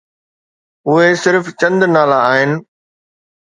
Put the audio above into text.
اهي صرف چند نالا آهن.